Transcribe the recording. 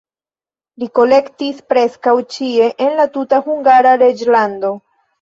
Li kolektis preskaŭ ĉie en la tuta Hungara reĝlando.